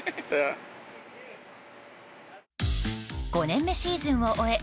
５年目シーズンを終え